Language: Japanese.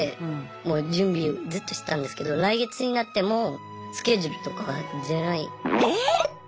もう準備ずっとしてたんですけど来月になってもスケジュールとかが出ない。